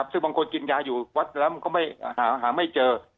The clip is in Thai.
ซึ่งบางคนกินยาอยู่วัดแล้วมันก็หาไม่เจอ